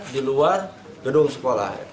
di luar gedung sekolah